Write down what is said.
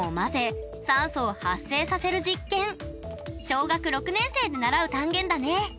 小学６年生で習う単元だね。